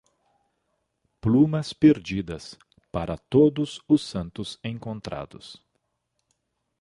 Plumas perdidas, para Todos os Santos encontrados.